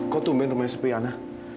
kok tumben rumahnya sepi ana